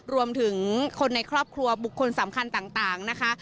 รวมถึงคนในครอบครัวบุคคลสำคัญต่างนะคะ